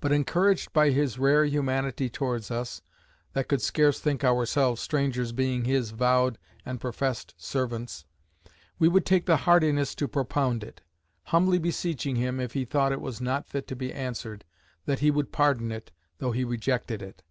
But encouraged by his rare humanity towards us, (that could scarce think ourselves strangers, being his vowed and professed servants,) we would take the hardiness to propound it: humbly beseeching him, if he thought it not fit to be answered, that he would pardon it, though he rejected it.